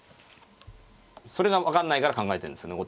それが分かんないから考えてんですよね